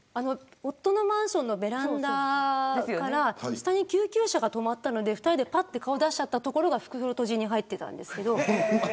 夫のマンションのベランダから下に救急車が止まったので２人でぱっと顔を出したところが袋とじに入っていたんですけれど。